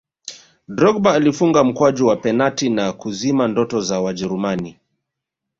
drogba alifunga mkwaju wa penati na kuzima ndoto za wajerumani